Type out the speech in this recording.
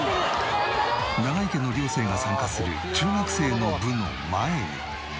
永井家の寮生が参加する中学生の部の前に。